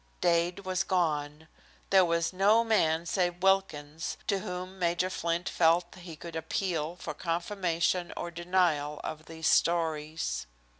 Dade was gone. There was no man save Wilkins to whom Major Flint felt that he could appeal for confirmation or denial of these stories.